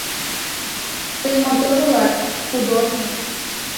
Тый мотор улат, художник.